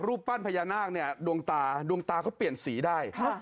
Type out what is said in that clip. รูปปั้นพญานาคดวงตาเขาเปลี่ยนสีได้